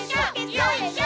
よいしょ！